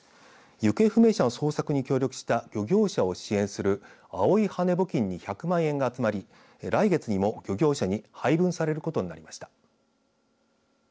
行方不明者の捜索に協力した漁業者を支援する青い羽根募金に１００万円が集まり来月にも漁業者に配分されることになりました。